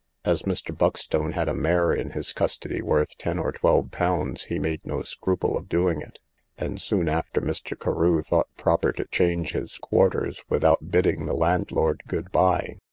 As Mr. Buckstone had a mare in his custody worth ten or twelve pounds, he made no scruple of doing it; and soon after Mr. Carew thought proper to change his quarters, without bidding the landlord good bye.